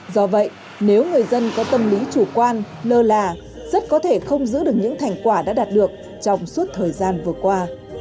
do vậy nếu người dân có tâm lý chủ quan lơ là rất có thể không giữ được những thành quả đã đạt được trong suốt thời gian vừa qua